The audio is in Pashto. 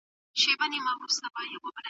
موږ باید د یو بل کلتور ته درناوی وکړو.